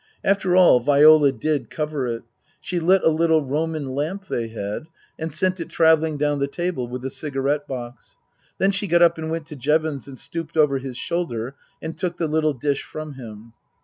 After all, Viola did cover it. She lit a little Roman lamp they had and sent it travelling down the table with the cigarette box. Then she got up and went to Jevons and stooped over his shoulder and took the little dish from him.